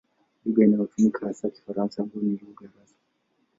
Lugha inayotumika hasa ni Kifaransa ambayo ni lugha rasmi.